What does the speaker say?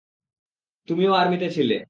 তুমিও আর্মিতে ছিলে।